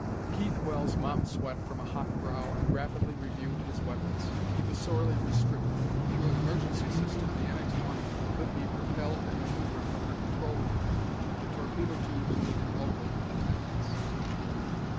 Keith Wells mopped sweat from a hot brow and rapidly reviewed his weapons. He was sorely restricted. Through an emergency system the NX 1 could be propelled and maneuvered from her control room; but the torpedo tubes needed local attendance.